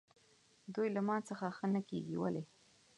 دوی له ما څخه ښه نه کېږي، ولې؟